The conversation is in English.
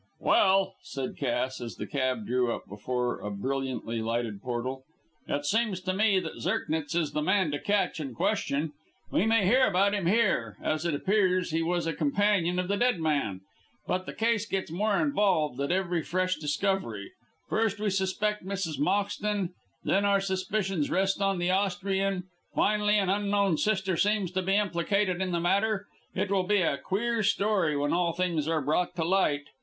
"Well," said Cass, as the cab drew up before a brilliantly lighted portal, "it seems to me that Zirknitz is the man to catch and question. We may hear about him here, as it appears he was a companion of the dead man. But the case gets more involved at every fresh discovery. First we suspect Mrs. Moxton, then our suspicions rest on the Austrian, finally an unknown sister seems to be implicated in the matter. It will be a queer story when all things are brought to light.